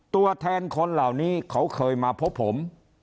ตัวแทนคนเหล่านี้เขาเคยมาพบผม